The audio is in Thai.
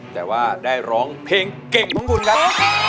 แต่ว่าได้ร้องเพลงเก่งของคุณครับ